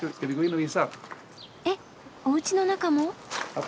えっおうちの中も？